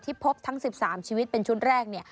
พบทั้ง๑๓ชีวิตเป็นชุดแรก